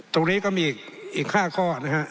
ตรงนี้ก็มีอีก๕ข้อนะฮะ